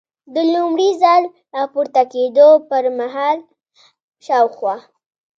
د لومړي ځل را پورته کېدو پر مهال شاوخوا.